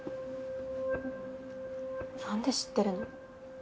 なんで知ってるの？